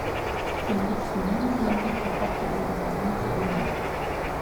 Seine letzten Lebensjahre verbrachte er in Berlin-Frohnau.